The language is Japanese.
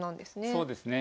そうですね。